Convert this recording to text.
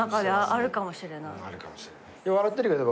あるかもしれない。